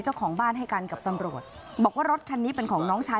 เจ้าของบ้านให้กันกับตำรวจบอกว่ารถคันนี้เป็นของน้องชาย